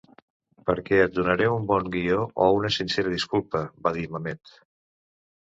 "Perquè et donaré un bon guió o una sincera disculpa", va dir Mamet.